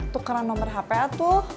tukeran nomer hape atuh